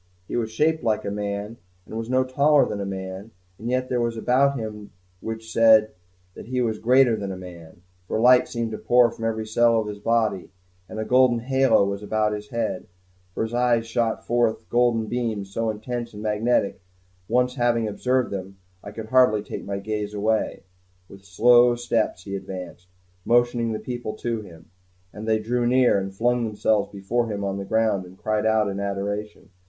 He was shaped like a man, and was no taller than a man, and yet there was that about him which said that he was greater than a man, for light seemed to pour from every cell of his body, and a golden halo was about his head, and his eyes shot forth golden beams so intense and so magnetic that, once having observed them, I could hardly take my gaze away. With slow steps he advanced, motioning the people to him; and they drew near, and flung themselves before him on the ground, and cried out in adoration.